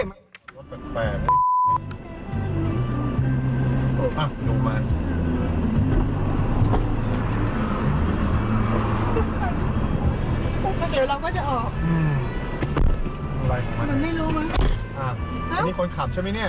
อันนี้คนขับใช่ไหมเนี่ย